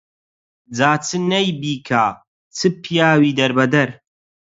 جا چ نەی بیکا چ پیاوی دەربەدەر